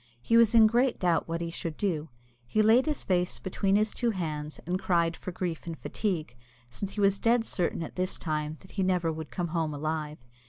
He was in great doubt what he should do. He laid his face between his two hands, and cried for grief and fatigue, since he was dead certain at this time that he never would come home alive.